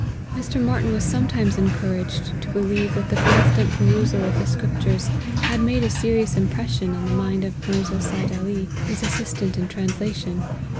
Mr. Martyn was sometimes encouraged to be lieve that the constant perusal of the scriptures had made a serious impression on the mind of Mirza Seid Ali, his assistant in translation.